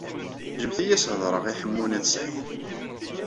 Ǧǧemt-iyi ad as-heḍṛeɣ i Ḥemmu n At Sɛid.